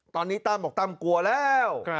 ตอนนี้ตามออกตามกลัวแล้ว